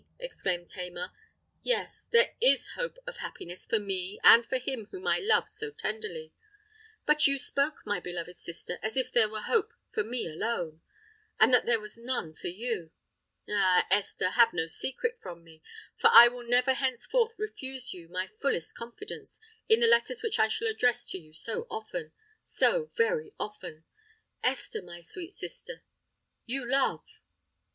exclaimed Tamar. "Yes—there is hope of happiness for me and for him whom I love so tenderly! But you spoke, my beloved sister, as if there were hope for me alone—and that there was none for you. Ah! Esther, have no secret from me—for I will never henceforth refuse you my fullest confidence, in the letters which I shall address to you so often—so very often! Esther, my sweet sister—you love!"